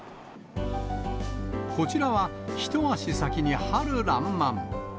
こちらは、一足先に春らんまん。